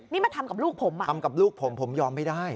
นี่มาทำกับลูกผมอ่ะทำกับลูกผมผมยอมไม่ได้